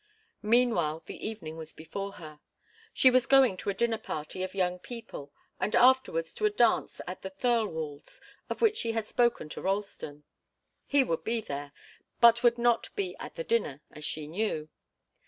Meanwhile the evening was before her. She was going to a dinner party of young people and afterwards to the dance at the Thirlwalls', of which she had spoken to Ralston. He would be there, but would not be at the dinner, as she knew.